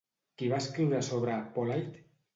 Qui va escriure sobre Polide?